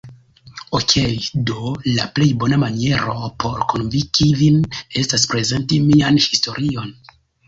Okej do la plej bona maniero, por konvinki vin estas prezenti mian historion